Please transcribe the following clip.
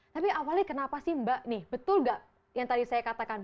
tapi awalnya kenapa sih mbak nih betul nggak yang tadi saya katakan